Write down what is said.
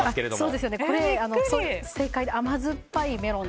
正解で、甘酸っぱいメロン。